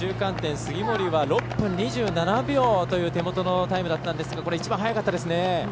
杉森は６分２７秒という手元のタイムだったんですが一番、速かったですね。